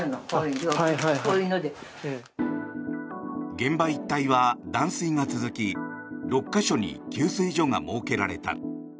現場一帯は断水が続き６か所に給水所が設けられた。